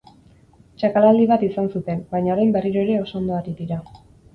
Txakalaldi bat izan zuten, baina orain berriro ere oso ondo ari dira.